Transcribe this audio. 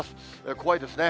怖いですね。